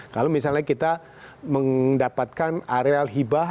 kalau misalnya kita mendapatkan areal hibah